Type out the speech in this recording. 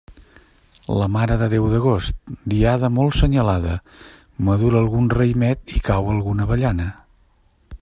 La Mare de Déu d'agost, diada molt senyalada; madura algun raïmet i cau alguna avellana.